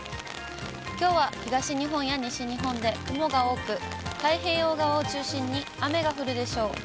きょうは東日本や西日本で雲が多く、太平洋側を中心に、雨が降るでしょう。